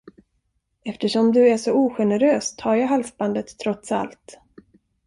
Eftersom du är så ogenerös, tar jag halsbandet trots allt.